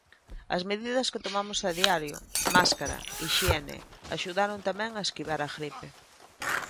As medidas que tomamos a diario, máscara, hixiene, axudaron tamén a esquivar a gripe.